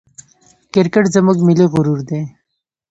کرکټ زموږ ملي غرور دئ.